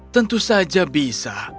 tentu saja bisa